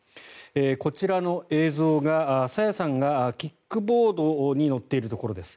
こちらの映像が朝芽さんがキックボードに乗っているところです。